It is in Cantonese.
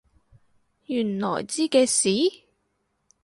原來知嘅事？